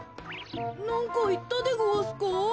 なんかいったでごわすか？